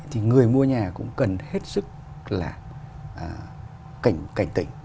thì người mua nhà cũng cần hết sức là cảnh cảnh tỉnh